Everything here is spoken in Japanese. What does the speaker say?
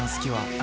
あ！